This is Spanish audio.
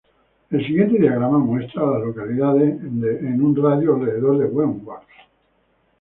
El siguiente diagrama muestra a las localidades en un radio de de Wentworth.